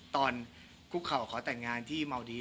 คุกเข่าขอแต่งงานที่เมาดี